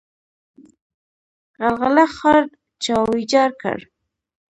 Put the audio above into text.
غلغله ښار چا ویجاړ کړ؟